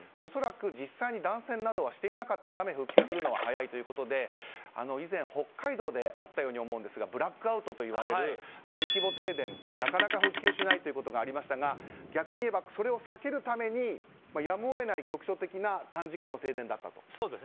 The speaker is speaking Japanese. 恐らく実際に断線などはしていなかったため復旧するのが早いということで以前、北海道であったように思うんですがブラックアウトといわれる大規模停電でなかなか復旧しないということがありましたが、逆に言えばそれを避けるためにやむを得ない局所的な停電だったと。